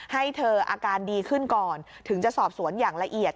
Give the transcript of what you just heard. ให้เธออาการดีขึ้นก่อนถึงจะสอบสวนอย่างละเอียด